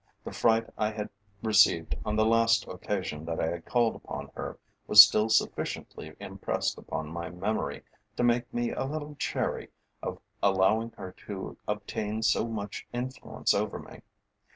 The fright I had received on the last occasion that I had called upon her, was still sufficiently impressed upon my memory to make me a little chary of allowing her to obtain so much influence over me.